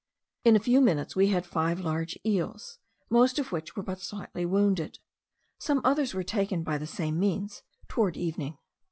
In a few minutes we had five large eels, most of which were but slightly wounded. Some others were taken, by the same means, towards evening.